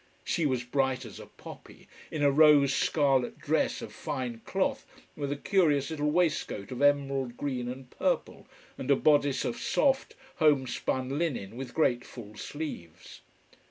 She was bright as a poppy, in a rose scarlet dress of fine cloth, with a curious little waistcoat of emerald green and purple, and a bodice of soft, homespun linen with great full sleeves.